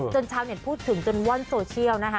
ชาวเน็ตพูดถึงจนว่อนโซเชียลนะคะ